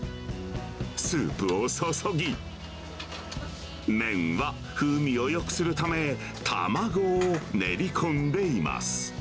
スープを注ぎ、麺は風味をよくするため、卵を練り込んでいます。